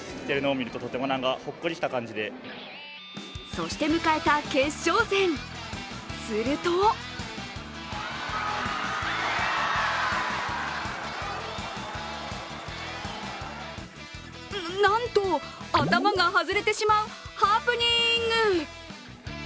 そして迎えた決勝戦、するとなんと、頭が外れてしまうハプニング！